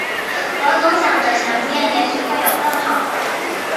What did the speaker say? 我总想着前面也许会有更好的